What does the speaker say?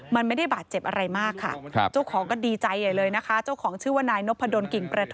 มันไม่ได้บาดเจ็บอะไรมากค่ะ